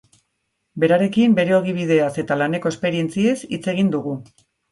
Berarekin bere ogibideaz eta laneko esperientziez hitz egin dugu.